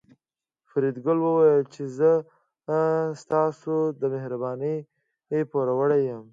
فریدګل وویل چې زه ستاسو د مهربانۍ پوروړی یم